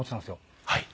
はい。